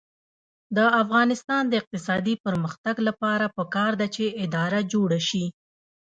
د افغانستان د اقتصادي پرمختګ لپاره پکار ده چې اداره جوړه شي.